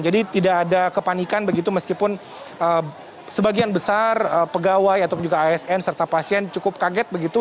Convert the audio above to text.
jadi tidak ada kepanikan begitu meskipun sebagian besar pegawai atau juga asn serta pasien cukup kaget begitu